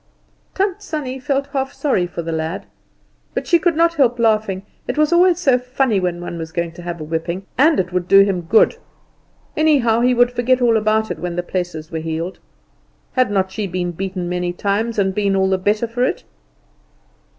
Tant Sannie felt half sorry for the lad; but she could not help laughing, it was always so funny when one was going to have a whipping, and it would do him good. Anyhow, he would forget all about it when the places were healed. Had not she been beaten many times and been all the better for it?